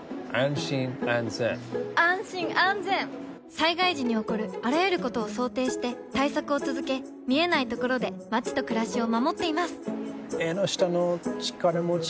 災害時に起こるあらゆることを想定して対策を続け見えないところで街と暮らしを守っていますエンノシタノチカラモチ？